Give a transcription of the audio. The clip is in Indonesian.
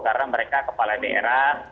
karena mereka kepala daerah